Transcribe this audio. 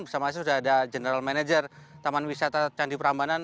bersama saya sudah ada general manager taman wisata candi prambanan